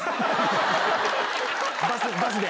バスで。